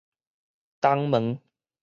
東門